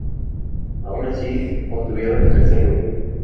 Aun así, obtuvieron el tercer lugar.